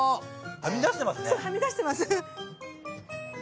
はみ出してますね。